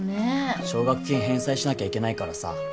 奨学金返済しなきゃいけないからさ。